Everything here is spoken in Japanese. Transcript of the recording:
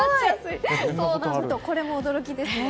これも驚きですね。